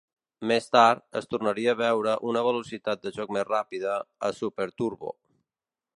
Més tard, es tornaria a veure una velocitat de joc més ràpida a "Super Turbo".